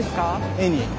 絵に。